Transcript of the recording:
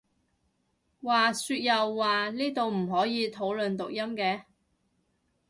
話說又話呢度唔可以討論讀音嘅？